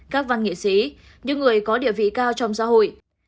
các văn nghệ sĩ những người có địa vị cao trong xã hội